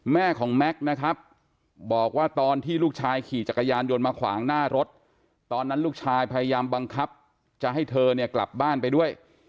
แม่ของแม็กซ์นะครับบอกว่าตอนที่ลูกชายขี่จักรยานยนต์มาขวางหน้ารถตอนนั้นลูกชายพยายามบังคับจะให้เธอเนี่ยกลับบ้านไปด้วย